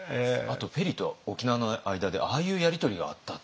ペリーと沖縄の間でああいうやり取りがあったっていう。